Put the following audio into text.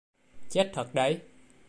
Chết thật đấy